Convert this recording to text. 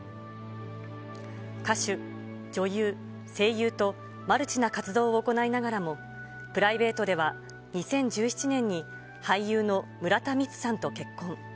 歌手、女優、声優と、マルチな活動を行いながらも、プライベートでは２０１７年に俳優の村田充さんと結婚。